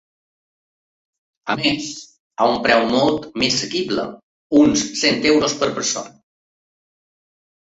A més, a un preu molt més assequible, ‘uns cent euros’ per persona.